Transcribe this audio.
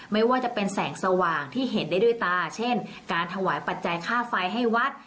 ไม่ว่าจะเป็นแสงสว่างที่เห็นได้ด้วยตาเช่นการถวายปัจจัยค่าไฟให้วัด